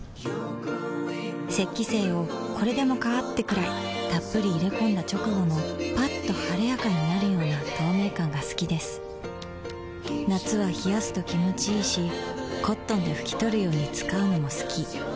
雪肌精をこれでもかーってくらいっぷり入れ込んだ直後のッと晴れやかになるような透明感が好きです夏は冷やすと気持ちいいし灰奪肇で拭き取るように使うのも好き